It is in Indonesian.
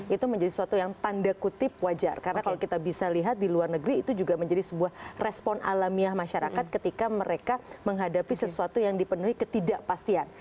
itu menjadi sesuatu yang tanda kutip wajar karena kalau kita bisa lihat di luar negeri itu juga menjadi sebuah respon alamiah masyarakat ketika mereka menghadapi sesuatu yang dipenuhi ketidakpastian